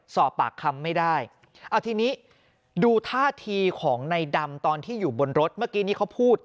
สอบปากคำไม่ได้เอาทีนี้ดูท่าทีของในดำตอนที่อยู่บนรถเมื่อกี้นี้เขาพูด